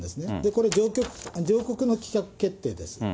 これ、上告の棄却決定です。